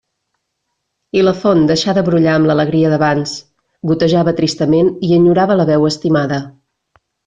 I la font deixà de brollar amb l'alegria d'abans; gotejava tristament i enyorava la veu estimada.